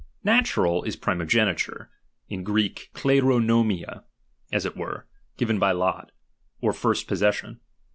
Natural is primogeniture, m Greek trXijpoi'o^io, as it were, given by lot ; or first possession.